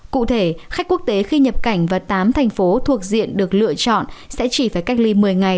cụ thể khách quốc tế khi nhập cảnh vào tám thành phố thuộc diện được lựa chọn sẽ chỉ phải cách ly một mươi ngày